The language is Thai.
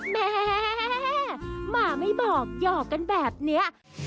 แม่หมาไม่บอกหยอกกันแบบนี้